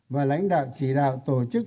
và lãnh đạo chỉ đạo tổ chức